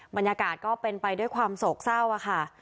บรรยากาศก็เป็นไปด้วยความโศกเศร้าค่ะ